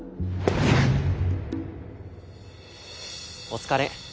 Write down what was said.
お疲れ。